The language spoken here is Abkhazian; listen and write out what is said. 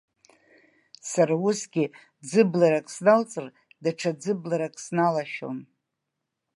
Сара усгьы ӡыбларак сналҵыр даҽа ӡыбларак сналашәон.